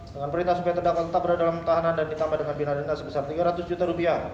dengan perintah supaya terdakwa tetap berada dalam tahanan dan ditambah dengan binarintah sebesar tiga ratus juta rupiah